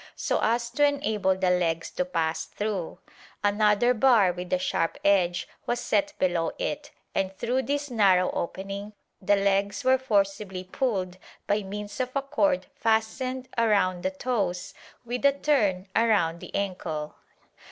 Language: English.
VII] VARIETIES 21 SO as to enable the legs to pass through; another bar with a sharp edge was set below it and through this narrow opening the legs were forcibly pulled by means of a cord fastened around the toes with a turn around the ankle.